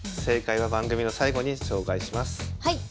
正解は番組の最後に紹介します。